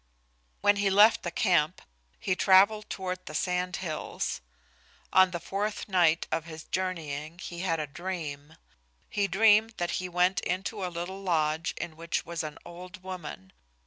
When he left the camp, he travelled toward the Sand Hills. On the fourth night of his journeying he had a dream. He dreamed that he went into a little lodge in which was an old woman.